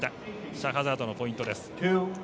シャハザードのポイントです。